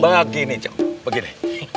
begini jeng begini